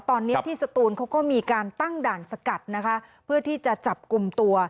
ตอนนี้ที่สตูนเขาก็มีการตั้งด่านสกัดนะคะเพื่อที่จะจับกลุ่มตัว